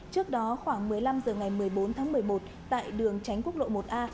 trước đó khoảng một mươi năm h ngày một mươi bốn tháng một mươi một tại đường tránh quốc lộ một a